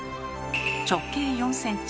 直径４ｃｍ